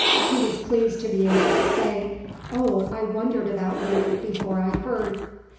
He was pleased to be able to say: "Oh, I wondered about you before I heard."